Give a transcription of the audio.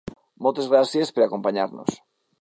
Moltes gràcies per acompanyar-nos!